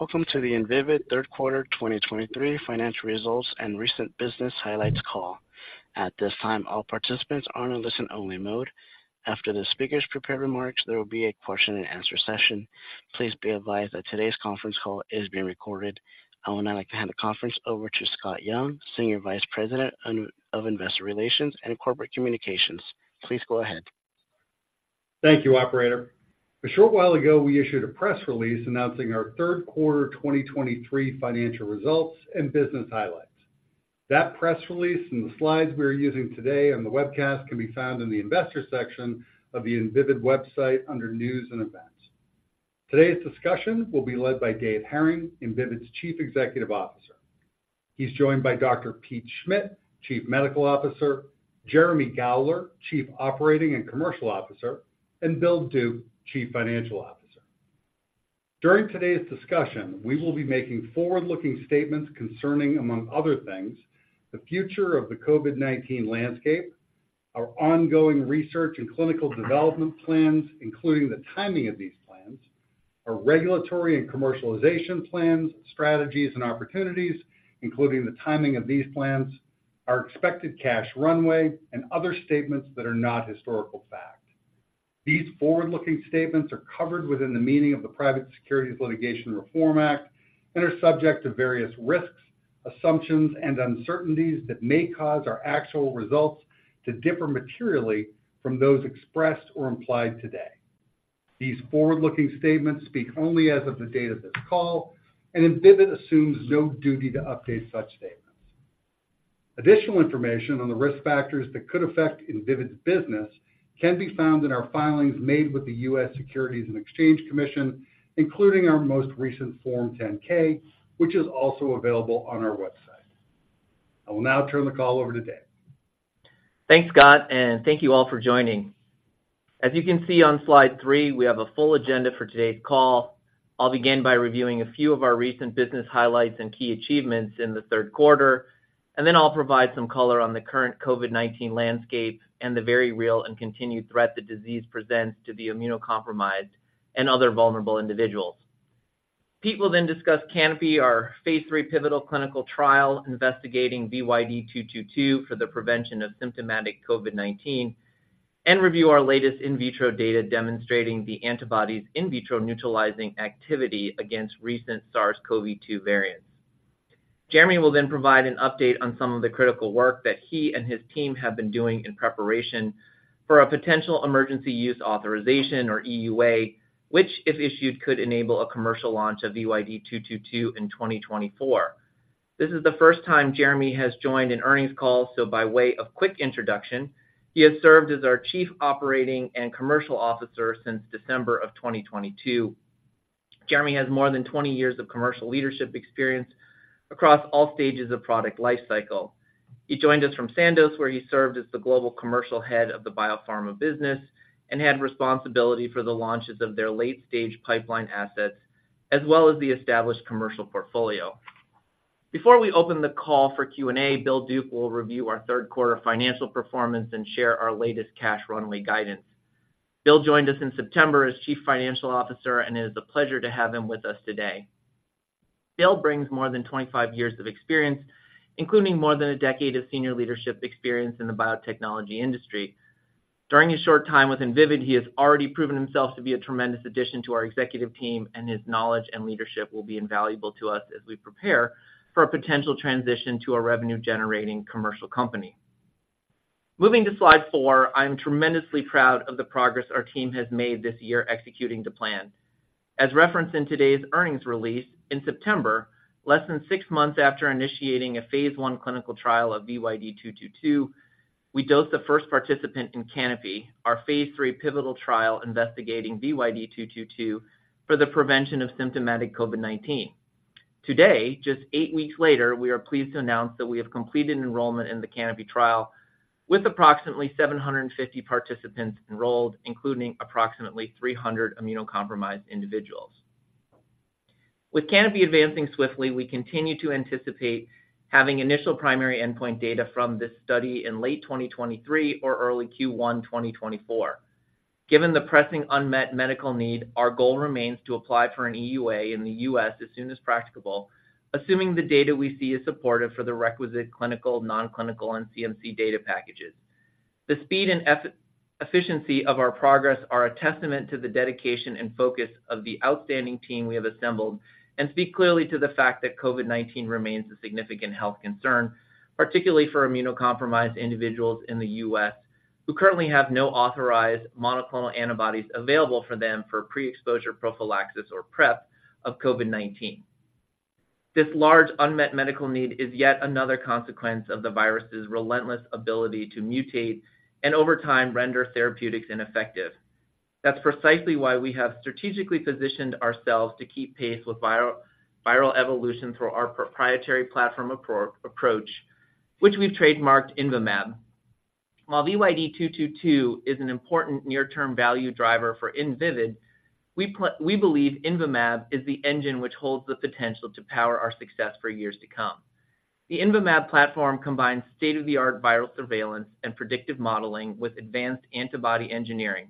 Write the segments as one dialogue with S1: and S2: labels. S1: Welcome to the Invivyd third quarter 2023 financial results and recent business highlights call. At this time, all participants are in a listen-only mode. After the speaker's prepared remarks, there will be a question-and-answer session. Please be advised that today's conference call is being recorded. I would now like to hand the conference over to Scott Young, Senior Vice President of Investor Relations and Corporate Communications. Please go ahead.
S2: Thank you, operator. A short while ago, we issued a press release announcing our third quarter 2023 financial results and business highlights. That press release and the slides we are using today on the webcast can be found in the investors section of the Invivyd website under News and Events. Today's discussion will be led by Dave Hering, Invivyd Chief Executive Officer. He's joined by Dr. Pete Schmidt, Chief Medical Officer, Jeremy Gowler, Chief Operating and Commercial Officer, and Bill Duke, Chief Financial Officer. During today's discussion, we will be making forward-looking statements concerning, among other things, the future of the COVID-19 landscape, our ongoing research and clinical development plans, including the timing of these plans, our regulatory and commercialization plans, strategies and opportunities, including the timing of these plans, our expected cash runway, and other statements that are not historical fact. These forward-looking statements are covered within the meaning of the Private Securities Litigation Reform Act and are subject to various risks, assumptions, and uncertainties that may cause our actual results to differ materially from those expressed or implied today. These forward-looking statements speak only as of the date of this call, and Invivyd assumes no duty to update such statements. Additional information on the risk factors that could affect Invivyd's business can be found in our filings made with the U.S. Securities and Exchange Commission, including our most recent Form 10-K, which is also available on our website. I will now turn the call over to Dave.
S3: Thanks, Scott, and thank you all for joining. As you can see on slide three, we have a full agenda for today's call. I'll begin by reviewing a few of our recent business highlights and key achievements in the third quarter, and then I'll provide some color on the current COVID-19 landscape and the very real and continued threat the disease presents to the immunocompromised and other vulnerable individuals. Pete will then discuss CANOPY, our phase III pivotal clinical trial, investigating VYD222 for the prevention of symptomatic COVID-19, and review our latest in vitro data demonstrating the antibody's in vitro neutralizing activity against recent SARS-CoV-2 variants. Jeremy will then provide an update on some of the critical work that he and his team have been doing in preparation for a potential emergency use authorization or EUA, which, if issued, could enable a commercial launch of VYD222 in 2024. This is the first time Jeremy has joined an earnings call, so by way of quick introduction, he has served as our Chief Operating and Commercial Officer since December 2022. Jeremy has more than 20 years of commercial leadership experience across all stages of product lifecycle. He joined us from Sandoz, where he served as the Global Commercial Head of the Biopharma business and had responsibility for the launches of their late-stage pipeline assets, as well as the established commercial portfolio. Before we open the call for Q&A, Bill Duke will review our third quarter financial performance and share our latest cash runway guidance. Bill joined us in September as Chief Financial Officer, and it is a pleasure to have him with us today. Bill brings more than 25 years of experience, including more than a decade of senior leadership experience in the biotechnology industry. During his short time with Invivyd, he has already proven himself to be a tremendous addition to our executive team, and his knowledge and leadership will be invaluable to us as we prepare for a potential transition to a revenue-generating commercial company. Moving to slide four, I am tremendously proud of the progress our team has made this year executing the plan. As referenced in today's earnings release, in September, less than six months after initiating a phase I clinical trial of VYD222, we dosed the first participant in CANOPY, our phase III pivotal trial investigating VYD222 for the prevention of symptomatic COVID-19. Today, just eight weeks later, we are pleased to announce that we have completed enrollment in the CANOPY trial with approximately 750 participants enrolled, including approximately 300 immunocompromised individuals. With CANOPY advancing swiftly, we continue to anticipate having initial primary endpoint data from this study in late 2023 or early Q1 2024. Given the pressing unmet medical need, our goal remains to apply for an EUA in the U.S. as soon as practicable, assuming the data we see is supportive for the requisite clinical, non-clinical, and CMC data packages. The speed and efficiency of our progress are a testament to the dedication and focus of the outstanding team we have assembled and speak clearly to the fact that COVID-19 remains a significant health concern, particularly for immunocompromised individuals in the U.S. who currently have no authorized monoclonal antibodies available for them for pre-exposure prophylaxis or PrEP of COVID-19. This large unmet medical need is yet another consequence of the virus's relentless ability to mutate and over time render therapeutics ineffective. That's precisely why we have strategically positioned ourselves to keep pace with viral evolution through our proprietary platform approach, which we've trademarked INVYMAB. While VYD222 is an important near-term value driver for Invivyd, we believe INVYMAB is the engine which holds the potential to power our success for years to come. The INVYMAB platform combines state-of-the-art viral surveillance and predictive modeling with advanced antibody engineering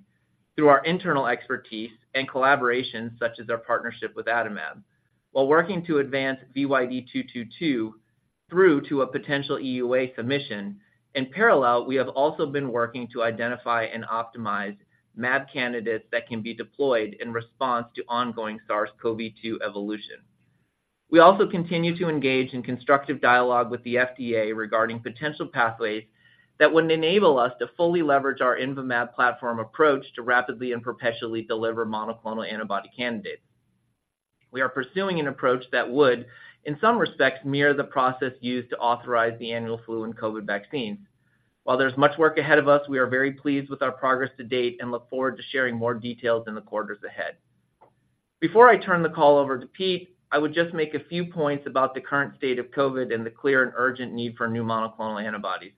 S3: through our internal expertise and collaborations, such as our partnership with Adimab. While working to advance VYD222 through to a potential EUA submission, in parallel, we have also been working to identify and optimize mAb candidates that can be deployed in response to ongoing SARS-CoV-2 evolution. We also continue to engage in constructive dialogue with the FDA regarding potential pathways that would enable us to fully leverage our INVYMAB platform approach to rapidly and perpetually deliver monoclonal antibody candidates. We are pursuing an approach that would, in some respects, mirror the process used to authorize the annual flu and COVID vaccines. While there's much work ahead of us, we are very pleased with our progress to date and look forward to sharing more details in the quarters ahead. Before I turn the call over to Pete, I would just make a few points about the current state of COVID and the clear and urgent need for new monoclonal antibodies.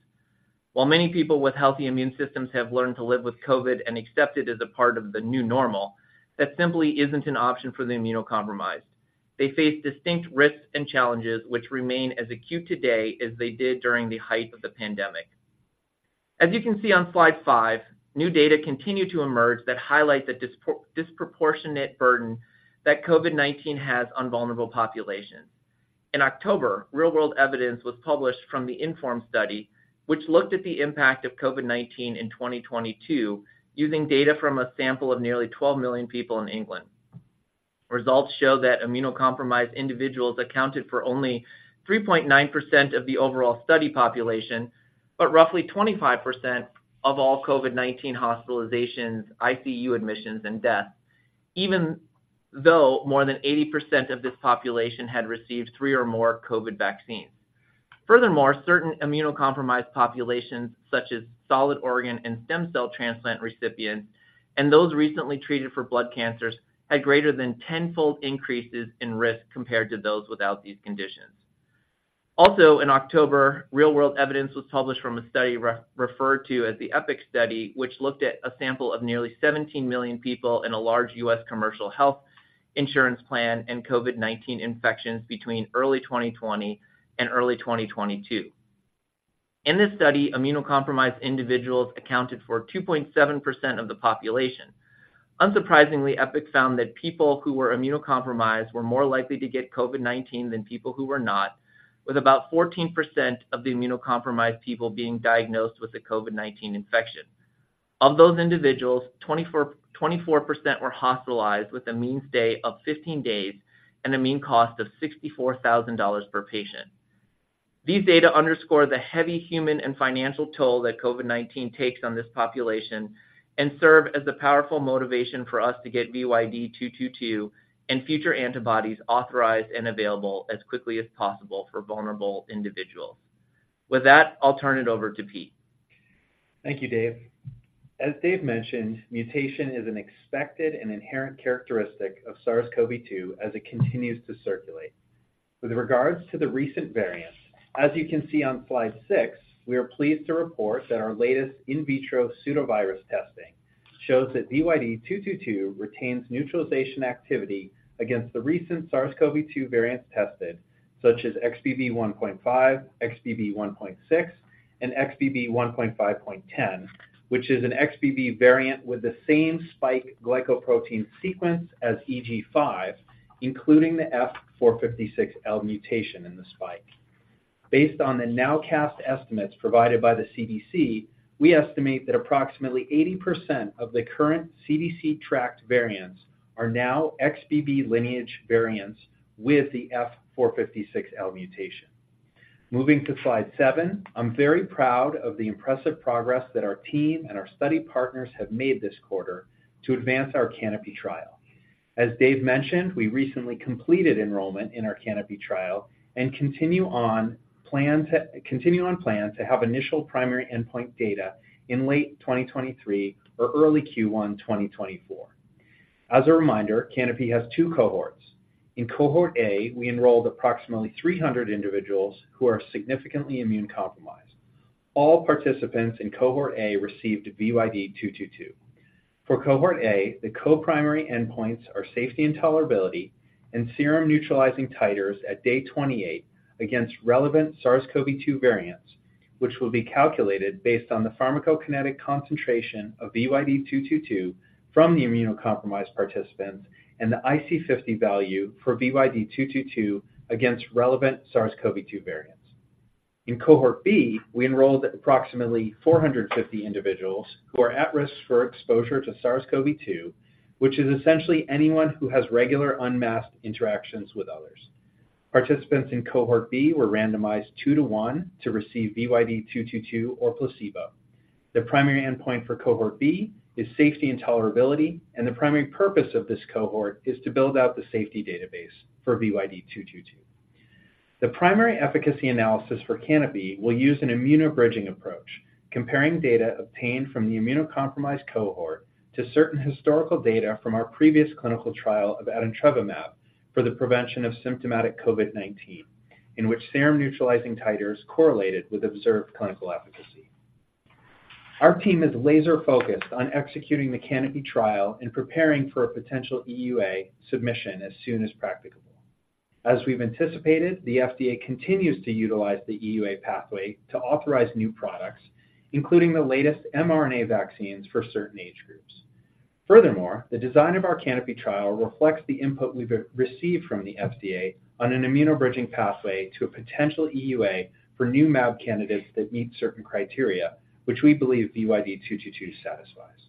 S3: While many people with healthy immune systems have learned to live with COVID and accept it as a part of the new normal, that simply isn't an option for the immunocompromised. They face distinct risks and challenges, which remain as acute today as they did during the height of the pandemic. As you can see on slide five, new data continue to emerge that highlight the disproportionate burden that COVID-19 has on vulnerable populations. In October, real-world evidence was published from the INFORM study, which looked at the impact of COVID-19 in 2022, using data from a sample of nearly 12 million people in England. Results show that immunocompromised individuals accounted for only 3.9% of the overall study population, but roughly 25% of all COVID-19 hospitalizations, ICU admissions, and deaths, even though more than 80% of this population had received three or more COVID vaccines. Furthermore, certain immunocompromised populations, such as solid organ and stem cell transplant recipients, and those recently treated for blood cancers, had greater than 10-fold increases in risk compared to those without these conditions. Also, in October, real-world evidence was published from a study referred to as the EPIC study, which looked at a sample of nearly 17 million people in a large U.S. commercial health insurance plan and COVID-19 infections between early 2020 and early 2022. In this study, immunocompromised individuals accounted for 2.7% of the population. Unsurprisingly, EPIC found that people who were immunocompromised were more likely to get COVID-19 than people who were not, with about 14% of the immunocompromised people being diagnosed with a COVID-19 infection. Of those individuals, 24% were hospitalized with a mean stay of 15 days and a mean cost of $64,000 per patient. These data underscore the heavy human and financial toll that COVID-19 takes on this population and serve as a powerful motivation for us to get VYD222 and future antibodies authorized and available as quickly as possible for vulnerable individuals. With that, I'll turn it over to Pete.
S4: Thank you, Dave. As Dave mentioned, mutation is an expected and inherent characteristic of SARS-CoV-2 as it continues to circulate. With regards to the recent variants, as you can see on slide six, we are pleased to report that our latest in vitro pseudovirus testing shows that VYD222 retains neutralization activity against the recent SARS-CoV-2 variants tested, such as XBB.1.5, XBB.1.16, and XBB.1.5.10, which is an XBB variant with the same spike glycoprotein sequence as EG.5, including the F456L mutation in the spike. Based on the nowcast estimates provided by the CDC, we estimate that approximately 80% of the current CDC-tracked variants are now XBB lineage variants with the F456L mutation. Moving to slide seven, I'm very proud of the impressive progress that our team and our study partners have made this quarter to advance our CANOPY trial. As Dave mentioned, we recently completed enrollment in our CANOPY trial and continue on plan to have initial primary endpoint data in late 2023 or early Q1 2024. As a reminder, CANOPY has two cohorts. In Cohort A, we enrolled approximately 300 individuals who are significantly immunocompromised. All participants in Cohort A received VYD222. For Cohort A, the co-primary endpoints are safety and tolerability and serum neutralizing titers at day 28 against relevant SARS-CoV-2 variants, which will be calculated based on the pharmacokinetic concentration of VYD222 from the immunocompromised participants and the IC50 value for VYD222 against relevant SARS-CoV-2 variants. In Cohort B, we enrolled approximately 450 individuals who are at risk for exposure to SARS-CoV-2, which is essentially anyone who has regular unmasked interactions with others. Participants in Cohort B were randomized 2:1 to receive VYD222 or placebo. The primary endpoint for Cohort B is safety and tolerability, and the primary purpose of this cohort is to build out the safety database for VYD222. The primary efficacy analysis for CANOPY will use an immunobridging approach, comparing data obtained from the immunocompromised cohort to certain historical data from our previous clinical trial of adintrevimab for the prevention of symptomatic COVID-19, in which serum-neutralizing titers correlated with observed clinical efficacy. Our team is laser-focused on executing the CANOPY trial and preparing for a potential EUA submission as soon as practicable. As we've anticipated, the FDA continues to utilize the EUA pathway to authorize new products, including the latest mRNA vaccines for certain age groups. Furthermore, the design of our CANOPY trial reflects the input we've received from the FDA on an immunobridging pathway to a potential EUA for new mAb candidates that meet certain criteria, which we believe VYD222 satisfies.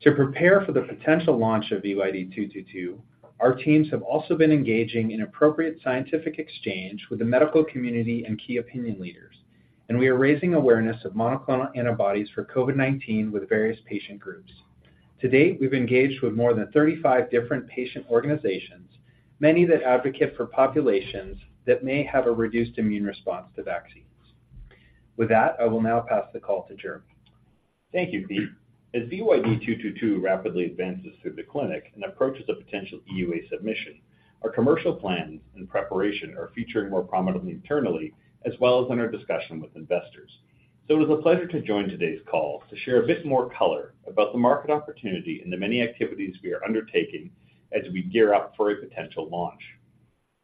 S4: To prepare for the potential launch of VYD222, our teams have also been engaging in appropriate scientific exchange with the medical community and key opinion leaders, and we are raising awareness of monoclonal antibodies for COVID-19 with various patient groups. To date, we've engaged with more than 35 different patient organizations, many that advocate for populations that may have a reduced immune response to vaccines. With that, I will now pass the call to Jeremy.
S5: Thank you, Pete. As VYD222 rapidly advances through the clinic and approaches a potential EUA submission, our commercial plans and preparation are featuring more prominently internally as well as in our discussion with investors. So it is a pleasure to join today's call to share a bit more color about the market opportunity and the many activities we are undertaking as we gear up for a potential launch.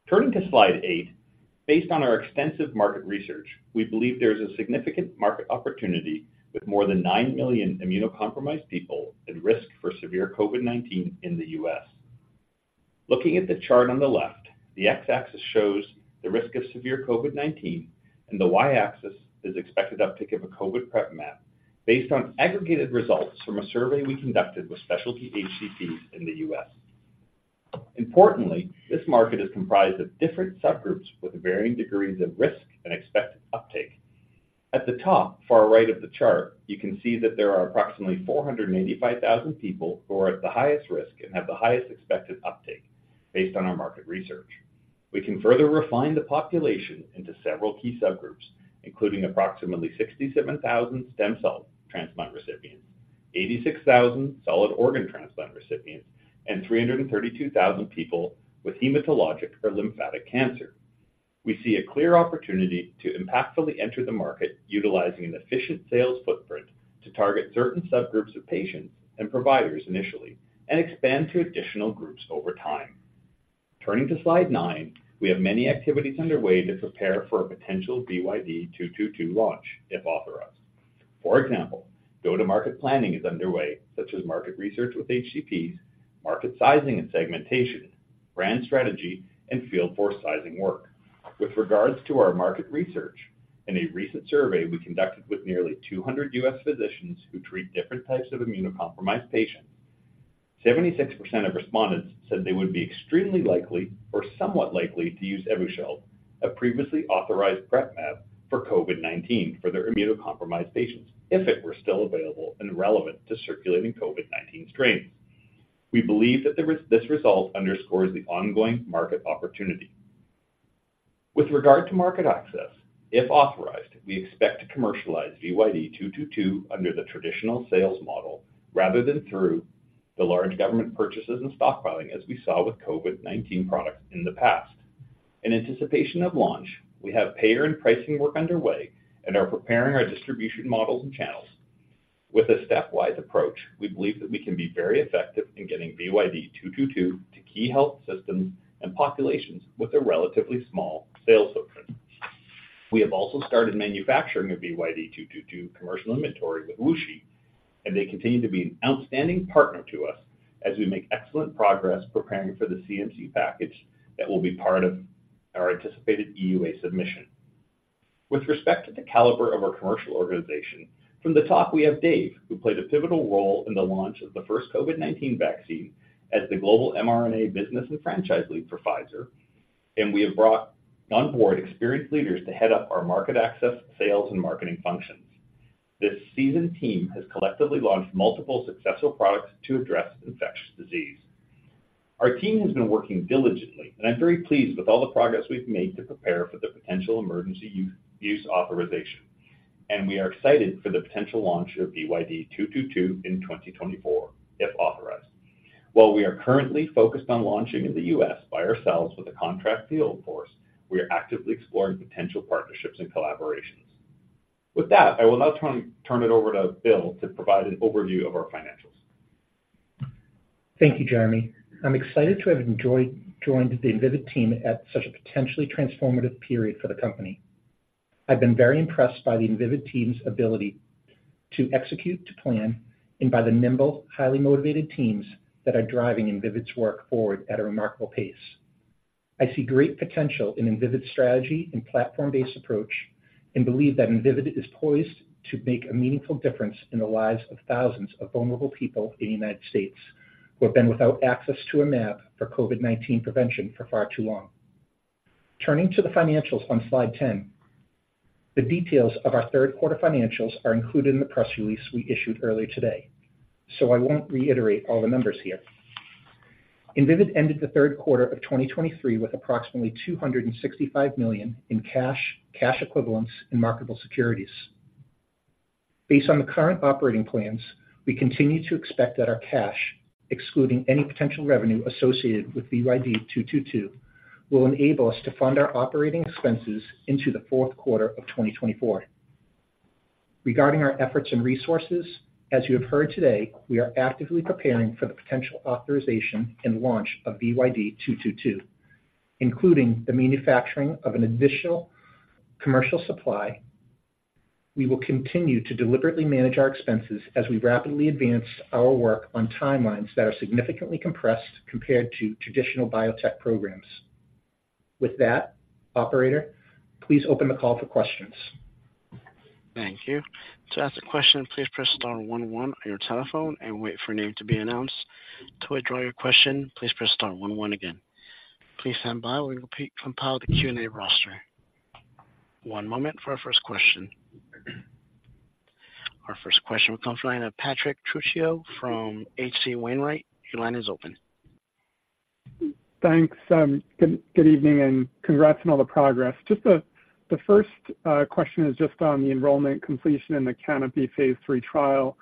S5: Turning to slide eight, based on our extensive market research, we believe there's a significant market opportunity with more than 9 million immunocompromised people at risk for severe COVID-19 in the U.S. Looking at the chart on the left, the x-axis shows the risk of severe COVID-19, and the y-axis is expected uptake of a COVID PrEP mAb based on aggregated results from a survey we conducted with specialty HCPs in the U.S. Importantly, this market is comprised of different subgroups with varying degrees of risk and expected uptake. At the top far right of the chart, you can see that there are approximately 485,000 people who are at the highest risk and have the highest expected uptake based on our market research. We can further refine the population into several key subgroups, including approximately 67,000 stem cell transplant recipients, 86,000 solid organ transplant recipients, and 332,000 people with hematologic or lymphatic cancer. We see a clear opportunity to impactfully enter the market, utilizing an efficient sales footprint to target certain subgroups of patients and providers initially and expand to additional groups over time. Turning to slide nine, we have many activities underway to prepare for a potential VYD222 launch, if authorized. For example, go-to-market planning is underway, such as market research with HCPs, market sizing and segmentation, brand strategy, and field force sizing work. With regards to our market research, in a recent survey we conducted with nearly 200 U.S. physicians who treat different types of immunocompromised patients, 76% of respondents said they would be extremely likely or somewhat likely to use Evusheld, a previously authorized PrEP mAb for COVID-19 for their immunocompromised patients, if it were still available and relevant to circulating COVID-19 strains. We believe that this result underscores the ongoing market opportunity. With regard to market access, if authorized, we expect to commercialize VYD222 under the traditional sales model rather than through the large government purchases and stockpiling, as we saw with COVID-19 products in the past. In anticipation of launch, we have payer and pricing work underway and are preparing our distribution models and channels. With a stepwise approach, we believe that we can be very effective in getting VYD222 to key health systems and populations with a relatively small sales footprint. We have also started manufacturing the VYD222 commercial inventory with WuXi, and they continue to be an outstanding partner to us as we make excellent progress preparing for the CMC package that will be part of our anticipated EUA submission. With respect to the caliber of our commercial organization, from the top, we have Dave, who played a pivotal role in the launch of the first COVID-19 vaccine as the global mRNA business and franchise lead for Pfizer, and we have brought on board experienced leaders to head up our market access, sales, and marketing functions. This seasoned team has collectively launched multiple successful products to address infectious disease. Our team has been working diligently, and I'm very pleased with all the progress we've made to prepare for the potential emergency use authorization, and we are excited for the potential launch of VYD222 in 2024, if authorized. While we are currently focused on launching in the U.S. by ourselves with a contract field force, we are actively exploring potential partnerships and collaborations. With that, I will now turn it over to Bill to provide an overview of our financials.
S6: Thank you, Jeremy. I'm excited to have joined the Invivyd team at such a potentially transformative period for the company. I've been very impressed by the Invivyd team's ability to execute to plan and by the nimble, highly motivated teams that are driving Invivyd's work forward at a remarkable pace. I see great potential in Invivyd's strategy and platform-based approach and believe that Invivyd is poised to make a meaningful difference in the lives of thousands of vulnerable people in the United States who have been without access to an mAb for COVID-19 prevention for far too long. Turning to the financials on slide 10, the details of our third quarter financials are included in the press release we issued earlier today, so I won't reiterate all the numbers here. Invivyd ended the third quarter of 2023 with approximately $265 million in cash, cash equivalents, and marketable securities. Based on the current operating plans, we continue to expect that our cash, excluding any potential revenue associated with VYD222 will enable us to fund our operating expenses into the fourth quarter of 2024. Regarding our efforts and resources, as you have heard today, we are actively preparing for the potential authorization and launch of VYD222, including the manufacturing of an initial commercial supply. We will continue to deliberately manage our expenses as we rapidly advance our work on timelines that are significantly compressed compared to traditional biotech programs. With that, operator, please open the call for questions.
S1: Thank you. To ask a question, please press star one one on your telephone and wait for your name to be announced. To withdraw your question, please press star one one again. Please stand by while we compile the Q&A roster. One moment for our first question. Our first question comes from the line of Patrick Trucchio from H.C. Wainwright. Your line is open.
S7: Thanks, good evening, and congrats on all the progress. Just the first question is just on the enrollment completion and the CANOPY phase III trial.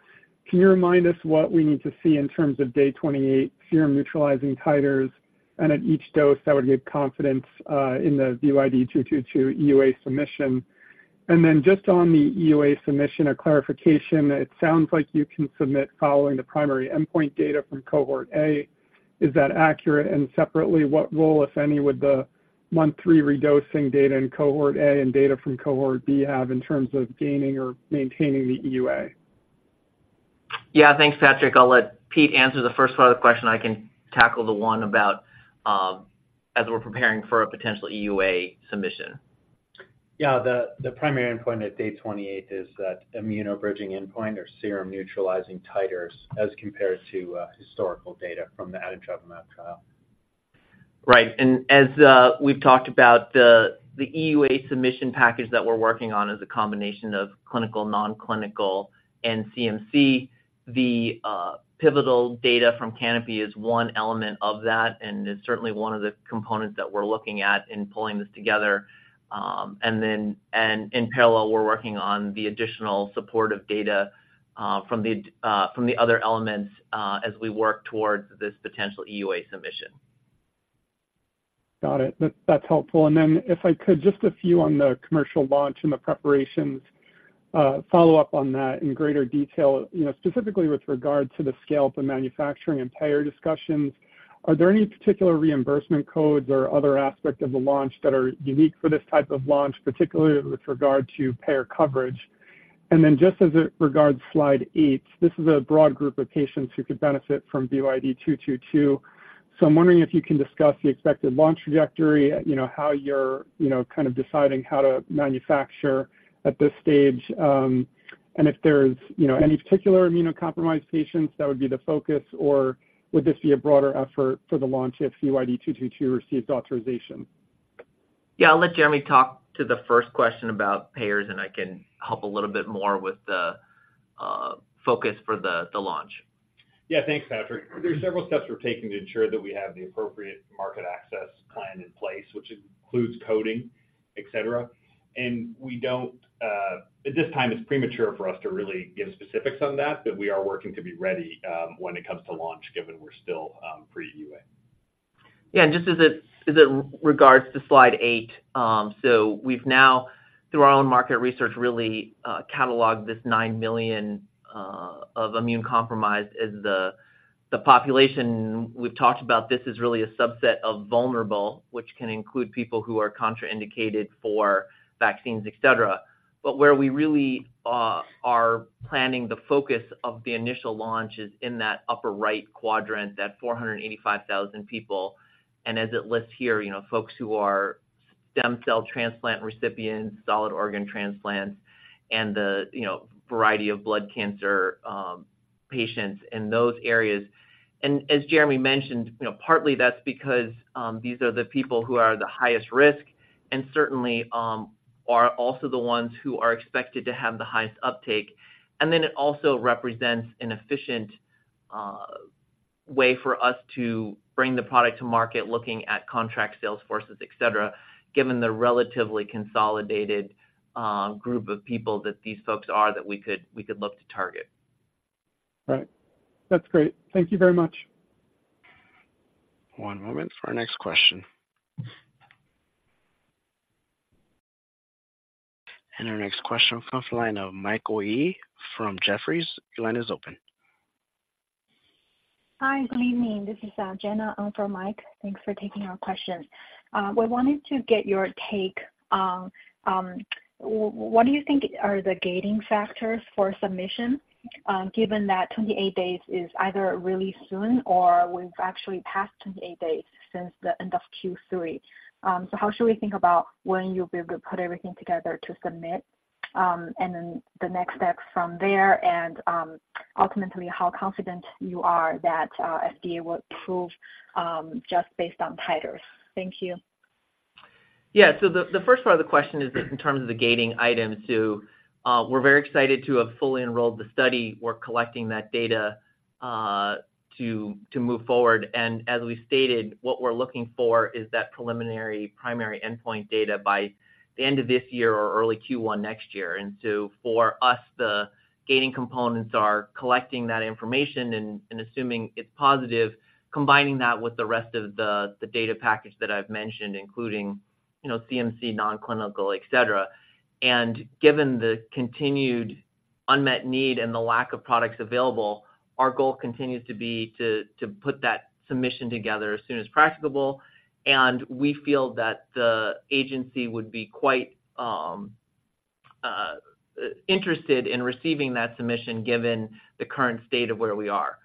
S7: Can you remind us what we need to see in terms of day 28 serum neutralizing titers, and at each dose that would give confidence in the VYD222 EUA submission? And then just on the EUA submission, a clarification, it sounds like you can submit following the primary endpoint data from Cohort A. Is that accurate? And separately, what role, if any, would the month three redosing data in Cohort A and data from Cohort B have in terms of gaining or maintaining the EUA?
S3: Yeah, thanks, Patrick. I'll let Pete answer the first part of the question. I can tackle the one about, as we're preparing for a potential EUA submission.
S4: Yeah, the primary endpoint at day 28 is that immunobridging endpoint or serum neutralizing titers as compared to historical data from the adintrevimab trial.
S3: Right. And as we've talked about, the EUA submission package that we're working on is a combination of clinical, non-clinical and CMC. The pivotal data from CANOPY is one element of that, and it's certainly one of the components that we're looking at in pulling this together. And in parallel, we're working on the additional supportive data from the other elements as we work towards this potential EUA submission.
S7: Got it. That's, that's helpful. And then if I could, just a few on the commercial launch and the preparations, follow up on that in greater detail, you know, specifically with regard to the scale-up and manufacturing and payer discussions. Are there any particular reimbursement codes or other aspects of the launch that are unique for this type of launch, particularly with regard to payer coverage? And then just as it regards slide eight, this is a broad group of patients who could benefit from VYD222. So I'm wondering if you can discuss the expected launch trajectory, you know, how you're, you know, kind of deciding how to manufacture at this stage, and if there's, you know, any particular immunocompromised patients that would be the focus, or would this be a broader effort for the launch if VYD222 receives authorization?
S3: Yeah, I'll let Jeremy talk to the first question about payers, and I can help a little bit more with the focus for the launch.
S5: Yeah, thanks, Patrick. There are several steps we're taking to ensure that we have the appropriate market access plan in place, which includes coding, et cetera. We don't, at this time. It's premature for us to really give specifics on that, but we are working to be ready, when it comes to launch, given we're still pre-EUA.
S3: Yeah, and just as it regards to slide eight, so we've now, through our own market research, really cataloged this 9 million of immune compromise as the population. We've talked about this as really a subset of vulnerable, which can include people who are contraindicated for vaccines, et cetera. But where we really are planning the focus of the initial launch is in that upper right quadrant, that 485,000 people. And as it lists here, you know, folks who are stem cell transplant recipients, solid organ transplants, and the, you know, variety of blood cancer patients in those areas. And as Jeremy mentioned, you know, partly that's because these are the people who are at the highest risk and certainly are also the ones who are expected to have the highest uptake. Then it also represents an efficient way for us to bring the product to market, looking at contract sales forces, et cetera, given the relatively consolidated group of people that these folks are that we could look to target.
S7: Right. That's great. Thank you very much.
S1: One moment for our next question. Our next question comes from the line of Michael Yee from Jefferies. Your line is open.
S8: Hi, good evening. This is, Jenna in for Mike. Thanks for taking our question. We wanted to get your take on, what do you think are the gating factors for submission, given that 28 days is either really soon or we've actually passed 28 days since the end of Q3? So how should we think about when you'll be able to put everything together to submit, and then the next steps from there, and, ultimately, how confident you are that, FDA will approve, just based on titers? Thank you.
S3: Yeah. So the first part of the question is in terms of the gating items. To, we're very excited to have fully enrolled the study. We're collecting that data to move forward. And as we stated, what we're looking for is that preliminary primary endpoint data by the end of this year or early Q1 next year. And so for us, the gating components are collecting that information and, assuming it's positive, combining that with the rest of the data package that I've mentioned, including, you know, CMC, non-clinical, et cetera. And given the continued unmet need and the lack of products available, our goal continues to be to put that submission together as soon as practicable, and we feel that the agency would be quite interested in receiving that submission, given the current state of where we are.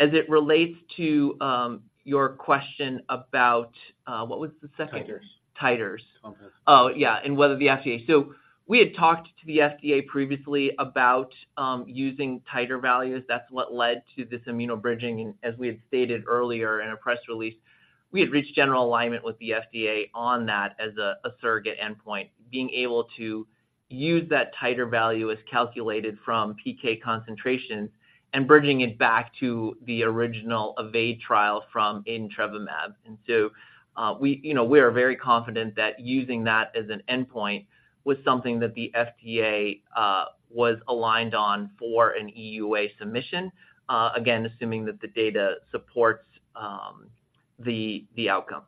S3: As it relates to, your question about, what was the second?
S4: Titers.
S3: Titers.
S4: Okay.
S3: Oh, yeah, and whether the FDA. So we had talked to the FDA previously about using titer values. That's what led to this immunobridging. And as we had stated earlier in a press release, we had reached general alignment with the FDA on that as a surrogate endpoint, being able to use that titer value as calculated from PK concentration and bridging it back to the original EVADE trial from adintrevimab. And so, we, you know, we are very confident that using that as an endpoint was something that the FDA was aligned on for an EUA submission, again, assuming that the data supports the outcome.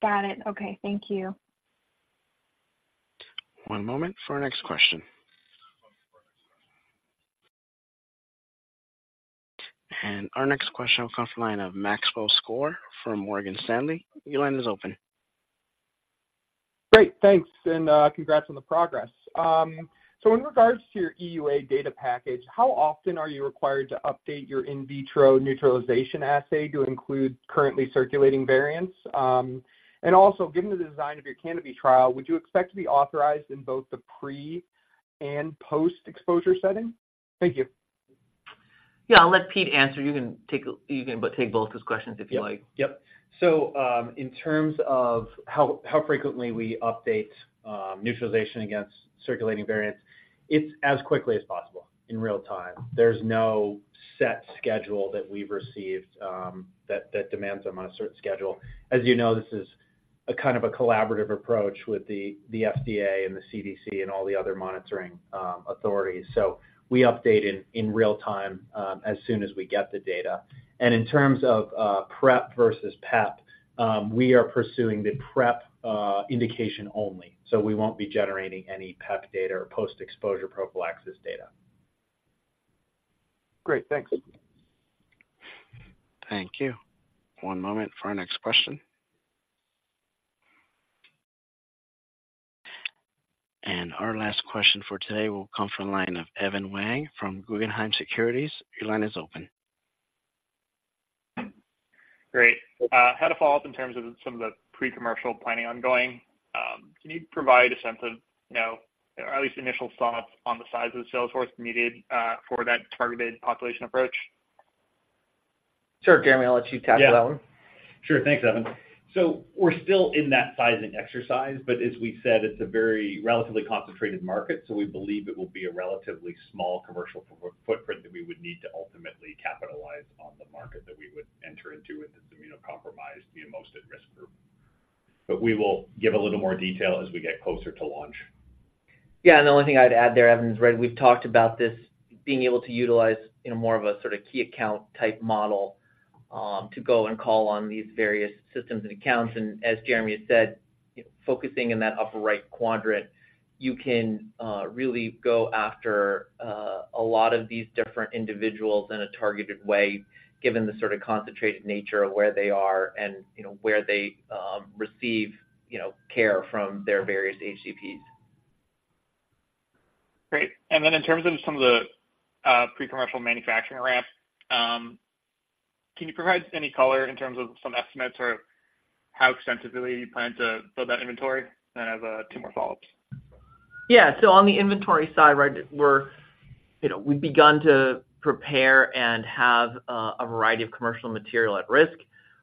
S8: Got it. Okay. Thank you.
S1: One moment for our next question. Our next question will come from the line of Maxwell Skor from Morgan Stanley. Your line is open.
S9: Great, thanks, and congrats on the progress. So in regards to your EUA data package, how often are you required to update your in vitro neutralization assay to include currently circulating variants? And also, given the design of your CANOPY trial, would you expect to be authorized in both the pre- and post-exposure setting? Thank you.
S3: Yeah, I'll let Pete answer. You can take both those questions if you like.
S4: Yep. Yep. So, in terms of how frequently we update neutralization against circulating variants, it's as quickly as possible, in real time. There's no set schedule that we've received that demands them on a certain schedule. As you know, this is a kind of a collaborative approach with the FDA and the CDC and all the other monitoring authorities. So we update it in real time as soon as we get the data. And in terms of PrEP versus PEP, we are pursuing the PrEP indication only, so we won't be generating any PEP data or post-exposure prophylaxis data.
S9: Great. Thanks.
S1: Thank you. One moment for our next question. Our last question for today will come from the line of Evan Wang from Guggenheim Securities. Your line is open.
S10: Great. How to follow up in terms of some of the pre-commercial planning ongoing, can you provide a sense of, you know, or at least initial thoughts on the size of the sales force needed for that targeted population approach?
S3: Sure, Jeremy, I'll let you tackle that one.
S5: Yeah. Sure. Thanks, Evan. So we're still in that sizing exercise, but as we said, it's a very relatively concentrated market, so we believe it will be a relatively small commercial foot- footprint that we would need to ultimately capitalize on the market that we would enter into with this immunocompromised the most at-risk group. But we will give a little more detail as we get closer to launch.
S3: Yeah, and the only thing I'd add there, Evan, is, right, we've talked about this being able to utilize, you know, more of a sort of key account type model, to go and call on these various systems and accounts. And as Jeremy has said, you know, focusing in that upper right quadrant, you can really go after a lot of these different individuals in a targeted way, given the sort of concentrated nature of where they are and, you know, where they receive, you know, care from their various HCPs.
S10: Great. And then in terms of some of the pre-commercial manufacturing ramp, can you provide any color in terms of some estimates or how extensively you plan to build that inventory? And I have two more follow-ups.
S3: Yeah. So on the inventory side, right, we're. You know, we've begun to prepare and have a variety of commercial material at risk.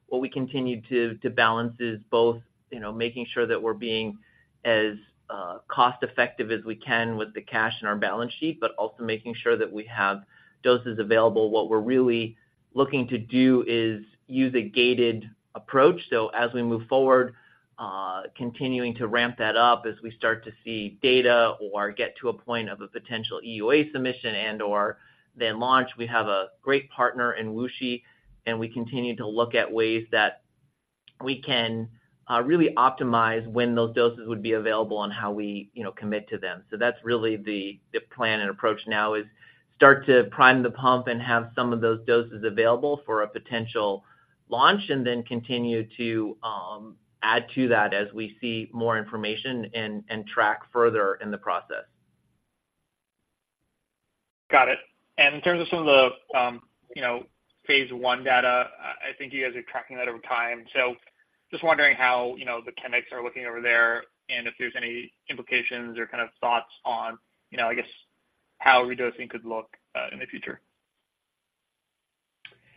S3: What we continue to balance is both, you know, making sure that we're being as cost-effective as we can with the cash in our balance sheet, but also making sure that we have doses available. What we're really looking to do is use a gated approach, so as we move forward, continuing to ramp that up as we start to see data or get to a point of a potential EUA submission and/or then launch. We have a great partner in WuXi, and we continue to look at ways that we can really optimize when those doses would be available and how we, you know, commit to them. So that's really the plan and approach now, is start to prime the pump and have some of those doses available for a potential launch, and then continue to add to that as we see more information and track further in the process.
S10: Got it. And in terms of some of the, you know, phase I data, I think you guys are tracking that over time. So just wondering how, you know, the kinetics are looking over there, and if there's any implications or kind of thoughts on, you know, I guess, how redosing could look in the future.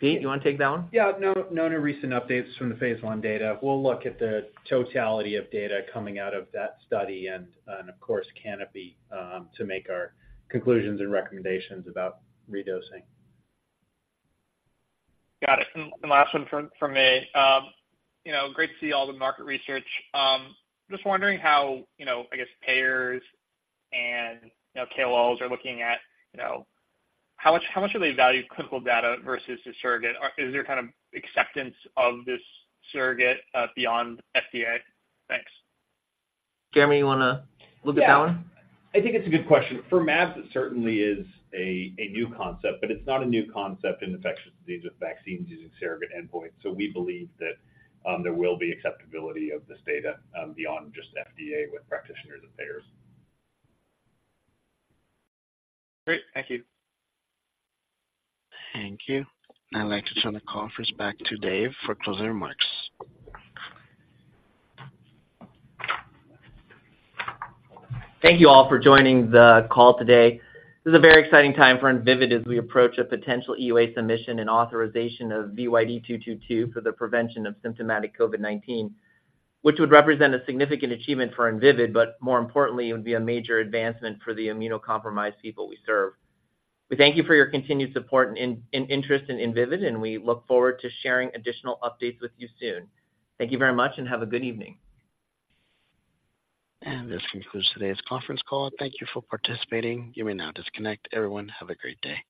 S3: Pete, do you want to take that one?
S4: Yeah. No, no new recent updates from the phase I data. We'll look at the totality of data coming out of that study and of course, CANOPY, to make our conclusions and recommendations about redosing.
S10: Got it. And last one from me. You know, great to see all the market research. Just wondering how, you know, I guess, payers and, you know, KOLs are looking at, you know, how much, how much do they value clinical data versus a surrogate? Or is there kind of acceptance of this surrogate beyond FDA? Thanks.
S3: Jeremy, you want to look at that one?
S5: Yeah. I think it's a good question. For mAb, it certainly is a new concept, but it's not a new concept in infectious disease with vaccines using surrogate endpoints. So we believe that there will be acceptability of this data beyond just FDA with practitioners and payers.
S10: Great. Thank you.
S1: Thank you. I'd like to turn the conference back to Dave for closing remarks.
S3: Thank you all for joining the call today. This is a very exciting time for Invivyd as we approach a potential EUA submission and authorization of VYD222 for the prevention of symptomatic COVID-19, which would represent a significant achievement for Invivyd, but more importantly, it would be a major advancement for the immunocompromised people we serve. We thank you for your continued support and interest in Invivyd, and we look forward to sharing additional updates with you soon. Thank you very much, and have a good evening.
S1: This concludes today's conference call. Thank you for participating. You may now disconnect. Everyone, have a great day.